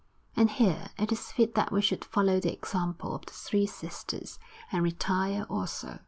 And here it is fit that we should follow the example of the three sisters, and retire also.